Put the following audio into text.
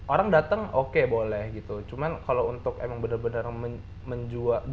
orang datang oke boleh gitu cuman kalau untuk emang bener bener menjual